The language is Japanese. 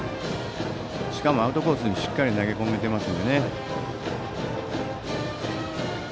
しかもアウトコースにしっかり投げ込めています。